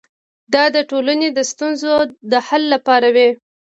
دا د ټولنې د ستونزو د حل لپاره وي.